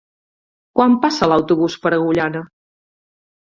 Quan passa l'autobús per Agullana?